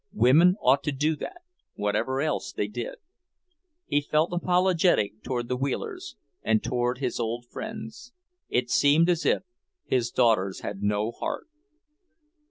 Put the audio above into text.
Women ought to do that, whatever else they did. He felt apologetic toward the Wheelers and toward his old friends. It seemed as if his daughters had no heart.